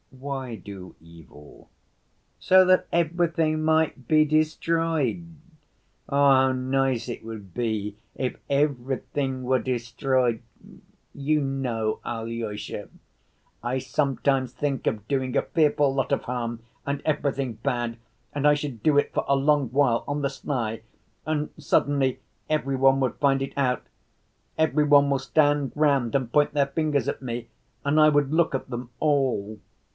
"Why do evil?" "So that everything might be destroyed. Ah, how nice it would be if everything were destroyed! You know, Alyosha, I sometimes think of doing a fearful lot of harm and everything bad, and I should do it for a long while on the sly and suddenly every one would find it out. Every one will stand round and point their fingers at me and I would look at them all.